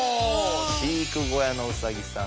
飼育小屋のウサギさん